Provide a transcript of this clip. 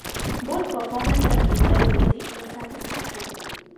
Both performance and reliability were satisfactory.